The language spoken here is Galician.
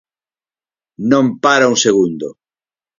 Non para un segundo.